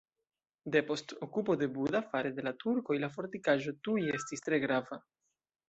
Depost okupo de Buda fare de la turkoj la fortikaĵo tuj estis tre grava.